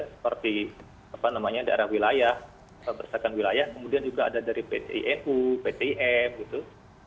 seperti daerah wilayah perusahaan wilayah kemudian juga ada dari pt inu pt im